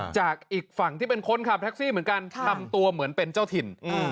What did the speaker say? จากอีกฝั่งที่เป็นคนขับแท็กซี่เหมือนกันทำตัวเหมือนเป็นเจ้าถิ่น